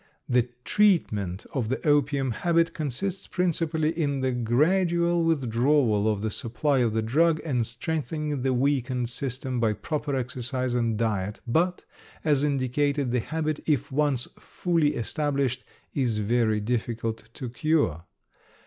The treatment of the opium habit consists principally in the gradual withdrawal of the supply of the drug and strengthening the weakened system by proper exercise and diet, but, as indicated, the habit, if once fully established, is very difficult to cure.